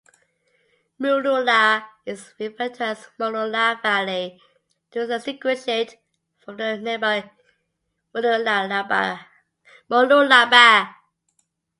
Mooloolah is referred to as Mooloolah Valley to distinguish it from the nearby Mooloolaba.